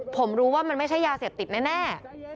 ผมรู้ว่ามันไม่ใช่ยาเสพติดแน่